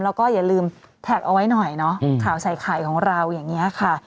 แล้วก็อย่าลืมแท็กเอาไว้หน่อยเนาะข่าวใส่ไข่ของเราอย่างนี้ค่ะ